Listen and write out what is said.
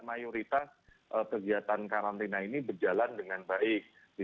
mayoritas kegiatan karantina ini berjalan dengan baik